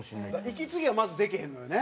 息継ぎがまずできへんのよね。